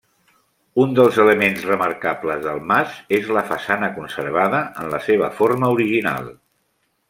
Un dels elements remarcables del mas és la façana, conservada en la seva forma original.